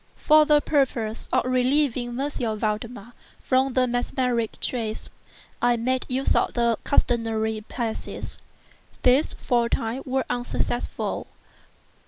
For the purpose of relieving M. Valdemar from the mesmeric trance, I made use of the customary passes. These, for a time, were unsuccessful.